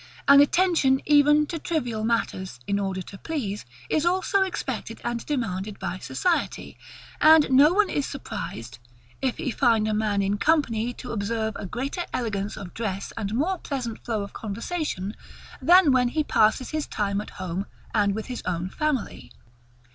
An attention even to trivial matters, in order to please, is also expected and demanded by society; and no one is surprised, if he find a man in company to observe a greater elegance of dress and more pleasant flow of conversation, than when he passes his time at home, and with his own family.